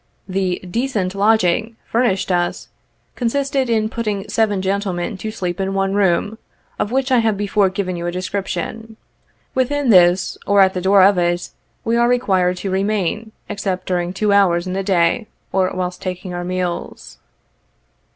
The "decent lodg ing" furnished us, consists in putting seven gentlemen to sleep in one room, of which I have before given you a description. Within this or at the door of it, we are required to remain, except during two hours in the day or whilst taking our meals.